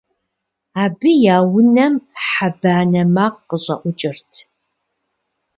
Абы я унэм хьэ банэ макъ къыщӀэӀукӀырт.